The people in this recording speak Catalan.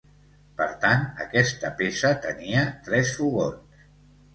Per tant, aquesta peça tenia tres fogons.